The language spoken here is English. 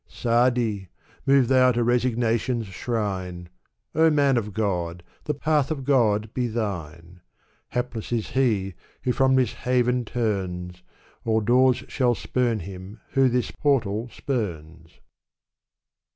Sa'di ! move thou to resignation's shrine, O man of God ! the path of God be thine. Hapless is he who from this haven turns, All doors shall spurn him who this portal spurns.